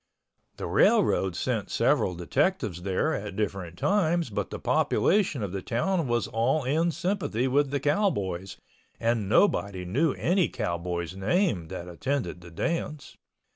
The railroad sent several detectives there at different times but the population of the town was all in sympathy with the cowboys and nobody knew any cowboy's name that attended the dance.